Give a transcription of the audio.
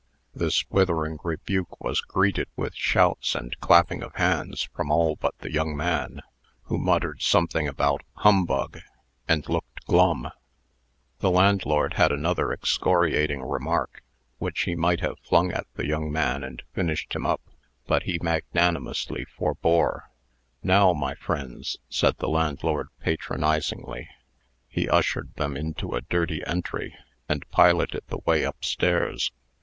This withering rebuke was greeted with shouts and clapping of hands from all but the young man, who muttered something about humbug, and looked glum. The landlord had another excoriating remark, which he might have flung at the young man and finished him up, but he magnanimously forbore. "Now, my friends," said the landlord, patronizingly. He ushered them into a dirty entry, and piloted the way up stairs.